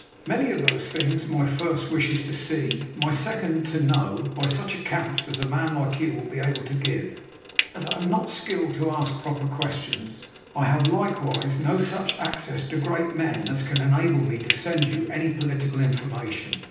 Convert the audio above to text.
Many of those things my first wish is to see; my second to know, by such accounts as a man like you will be able to give. As I have not skill to ask proper questions, I have likewise no such access to great men as can enable me to send you any political information.